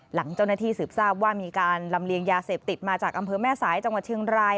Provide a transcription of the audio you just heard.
หลังเจ้าหน้าที่สืบทราบว่ามีการลำเลียงยาเสพติดมาจากอำเภอแม่สายจังหวัดเชียงราย